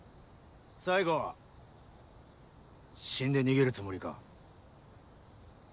最後は死んで逃げるつもりか。